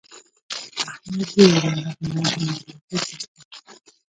احمد ډېرې لغتې ووهلې؛ خو اخېر تسلیم شو.